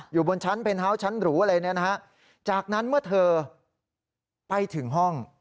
อยู่บนชั้นเพนฮาวส์ชั้นหรูอะไรเนี่ยนะฮะจากนั้นเมื่อเธอไปถึงห้อง